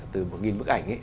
từ một nghìn bức ảnh ấy